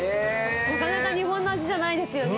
なかなか日本の味じゃないですよね。